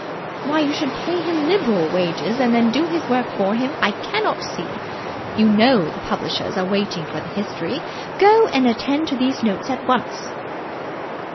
Why you should pay him liberal wages and then do his work for him, I cannot see. You know the publishers are waiting for the History. Go and attend to these notes at once."